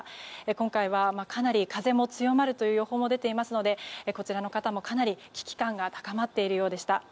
今回は、かなり風も強まるという予報も出ていますのでこちらの方もかなり危機感が高まっているようでした。